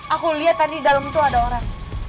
aku lihat tadi di dalam itu ada orang